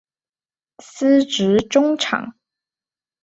司职中场。